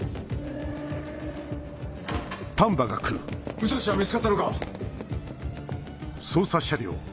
武蔵は見つかったのか！